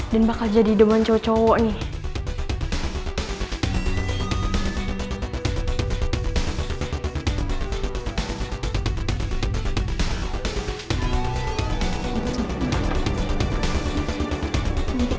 dan bakal jadi teman cowok cowok nih